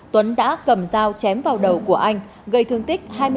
tuấn đã cầm dao chém vào đầu của anh gây thương tích hai mươi năm